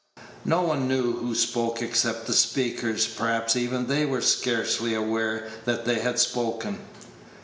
No one knew who spoke except the speakers; perhaps even they were scarcely aware that they had spoken.